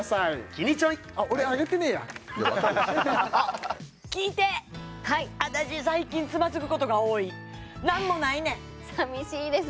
キニチョイあっ俺あげてねえや聞いて私最近つまずくことが多い何もないねん寂しいです